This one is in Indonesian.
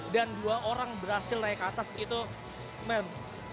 dan dua orang berhasil naik ke atas itu man